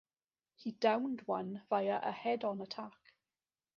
He downed one via a head-on attack.